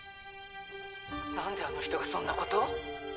何であの人がそんなこと？